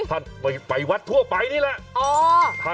ท่านไปวัดทั่วไปนี่แหละ